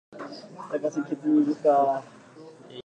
There are also ruins on the eastern side of the Khami River.